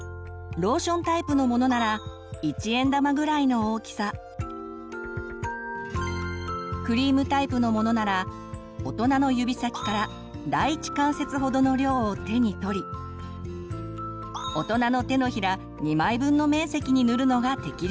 ローションタイプのものならクリームタイプのものなら大人の指先から第一関節ほどの量を手に取り大人の手のひら２枚分の面積に塗るのが適量です。